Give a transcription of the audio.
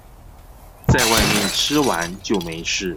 在外面吃完就沒事